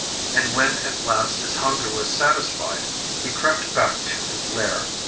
And when at last his hunger was satisfied, he crept back to his lair.